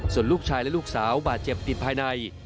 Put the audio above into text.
ส่วนลูกชายและลูกสาวบาดเจ็บติดภายใน